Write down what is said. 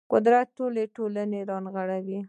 قدرت ټولې ډلې رانغاړي